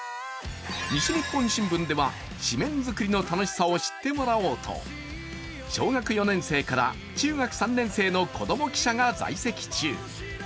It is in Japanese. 西日本新聞では、紙面作りの楽しさを知ってもらおうと小学４年生から中学３年生のこども記者が在籍中。